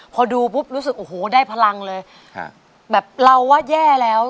พอดูปุ๊บรู้สึกโอ้โหได้พลังเลยแบบเราว่าแย่แล้ว